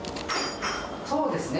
そうですね。